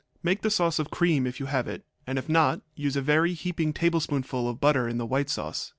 Make the sauce of cream if you have it, and if not use a very heaping tablespoonful of butter in the white sauce.